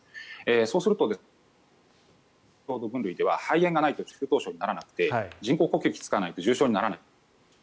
そうすると、重症度分類では肺炎がないと中等症にならないと人工呼吸器を使わないと重症にならない。